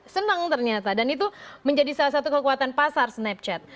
senang ternyata dan itu menjadi salah satu kekuatan pasar snapchat